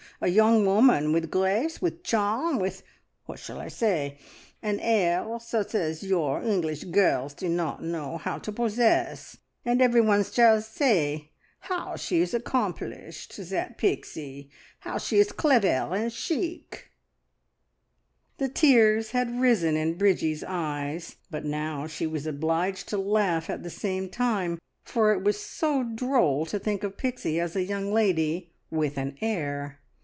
A young woman, with grace, with charm, with what shall I say? an air such as your English girls do not know how to possess, and everyone shall say, `How she is accomplished, that Pixie! How she is clever and chic!'" The tears had risen in Bridgie's eyes, but now she was obliged to laugh at the same time, for it was so droll to think of Pixie as a young lady "with an air!"